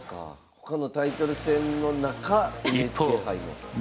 他のタイトル戦の中ＮＨＫ杯も。